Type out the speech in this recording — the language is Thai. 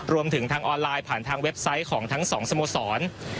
ทางออนไลน์ผ่านทางเว็บไซต์ของทั้งสองสโมสร